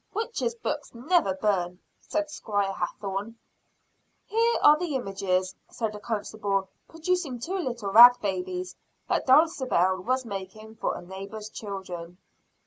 Witches' books never burn," said Squire Hathorne. "Here are the images," said a constable, producing two little rag babies, that Dulcibel was making for a neighbor's children.